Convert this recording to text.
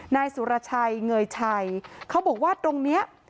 นายสุรชัยเงยชัยเขาบอกว่าตรงนี้